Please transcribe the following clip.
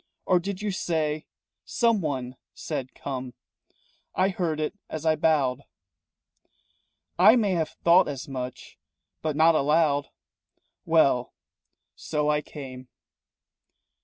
Or did you say Someone said 'Come' I heard it as I bowed." "I may have thought as much, but not aloud." "Well, so I came."